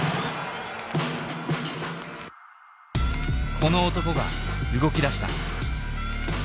この男が動きだした。